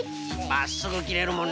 まっすぐきれるもんな。